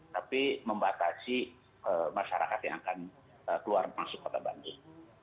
tapi membatasi masyarakat yang akan keluar masuk kota bandung